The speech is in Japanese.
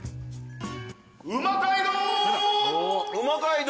うま街道。